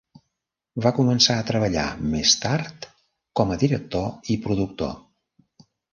Va començar a treballar més tard com a director i productor.